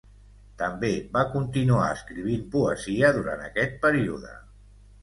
També va continuar escrivint poesia durant aquest període.